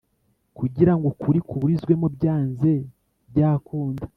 kugira ngo ukuri kuburizwemo byanze byakunda.